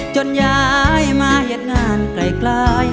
จนย้ายมายัดงานใกล้